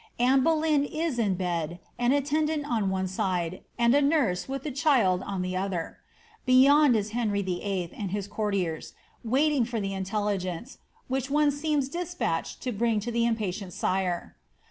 Anne Boleyn is in bed, an attendant on one side, and a nurse, with the child, on the other; beyond is Henry VIII. and his courtiers, waiting for the intelligence, which one seems despatched to bring to the impatient sire.